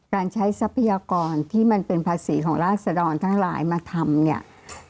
การใช้ทรัพยากรที่มันเป็นภาษีของราศดรทั้งหลายมาทำเนี่ย